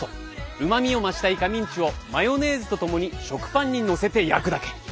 うまみを増したイカミンチをマヨネーズと共に食パンにのせて焼くだけ！